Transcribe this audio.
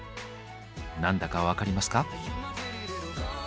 何だか分かりますか？